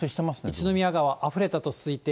一宮川、あふれたと推定。